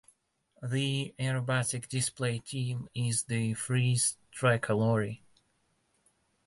The aerobatic display team is the Frecce Tricolori.